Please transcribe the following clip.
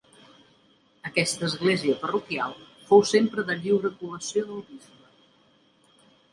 Aquesta església parroquial fou sempre de lliure col·lació del bisbe.